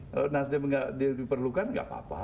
kalau nassim diperlukan tidak apa apa